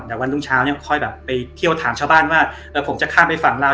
แต่วันรุ่งเช้าเนี่ยค่อยแบบไปเที่ยวถามชาวบ้านว่าผมจะข้ามไปฝั่งลาว